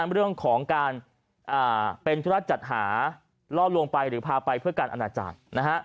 เรื่องของการเป็นธุระจัดหาล่อลวงไปหรือพาไปเพื่อการอนาจารย์